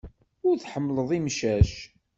Ur tḥemmleḍ imcac.